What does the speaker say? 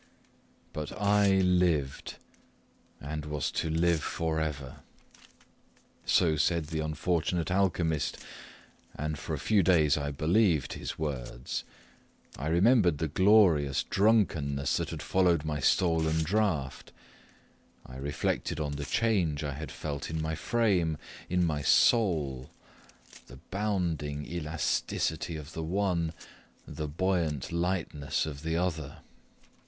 But I lived, and was to live for ever! So said the unfortunate alchymist, and for a few days I believed his words. I remembered the glorious drunkenness that had followed my stolen draught. I reflected on the change I had felt in my frame in my soul. The bounding elasticity of the one the buoyant lightness of the other.